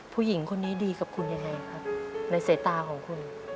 ผู้หญิงคนนี้ดีกับคุณยังไงครับในสายตาของคุณ